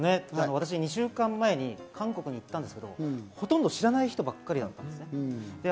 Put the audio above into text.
私２週間前に韓国に行ったんですけどほとんど知らない人ばっかりだったんですね。